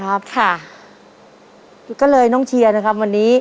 ป้ารีดอะไรอ่ะรีดเสื้อเสื้อจ้ะป้าหมายอ่ะเป็นกางเกงค่ะ